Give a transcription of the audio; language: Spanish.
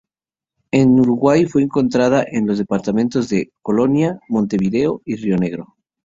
En Uruguay fue encontrada en los departamentos de: Colonia, Montevideo y Río Negro.